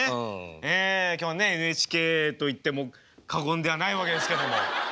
え今日はねＮＨＫと言っても過言ではないわけですけども。